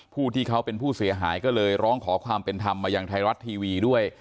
ผู้ที่เขาเป็นผู้เสียหายก็เลยร้องขอความเป็นธรรมมายังไทยรัฐทีวีด้วย